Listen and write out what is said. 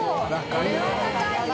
これは高いよ。